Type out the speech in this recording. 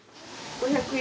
５００円。